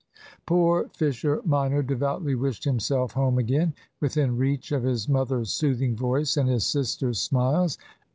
Poor Fisher minor devoutly wished himself home again, within reach of his mother's soothing voice and his sisters' smiles.